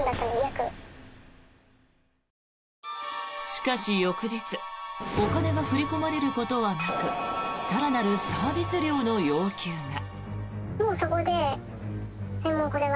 しかし、翌日お金が振り込まれることはなく更なるサービス料の要求が。